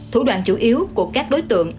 thủ đoạn chủ yếu của các đối tượng